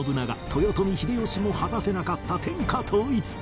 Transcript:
豊臣秀吉も果たせなかった天下統一